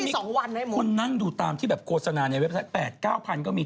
มันมีคุณนั่งดูกับที่แบบโกสนาในเว็บไซต์๘๙พันก็มี